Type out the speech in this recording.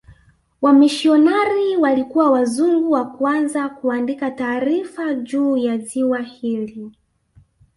wamishionari walikuwa wazungu wa kwanza kuandika taarifa juu ya ziwa hili